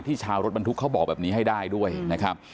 ชาวรถบรรทุกเขาบอกแบบนี้ให้ได้ด้วยนะครับ